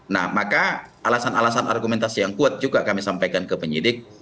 nah maka alasan alasan argumentasi yang kuat juga kami sampaikan ke penyidik